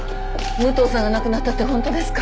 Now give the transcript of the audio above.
武藤さんが亡くなったってホントですか？